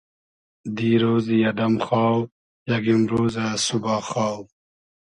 دیرۉزی ادئم خاو ، یئگ ایمرۉزۂ ، سوبا خاو